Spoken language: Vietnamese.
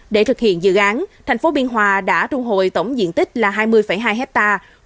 để thực hiện dự án thành phố biên hòa đã thu hồi tổng diện tích là hai mươi hai hectare